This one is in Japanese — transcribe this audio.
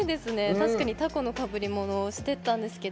確かにタコのかぶり物してたんですけど。